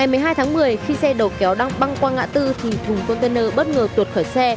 ngày một mươi hai tháng một mươi khi xe đầu kéo đang băng qua ngã tư thì thùng container bất ngờ tuột khởi xe